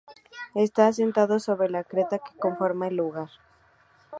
Está asentado sobre la creta que conforma el lugar.